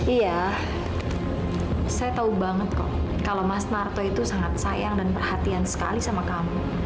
iya saya tahu banget kok kalau mas narto itu sangat sayang dan perhatian sekali sama kamu